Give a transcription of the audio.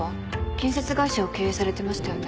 建設会社を経営されてましたよね？